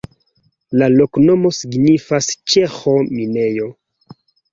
La loknomo signifas ĉeĥo-minejo.